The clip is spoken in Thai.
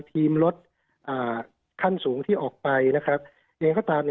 ทีมรถขั้นสูงที่ออกไปนะครับอย่างงั้นก็ตามเนี่ย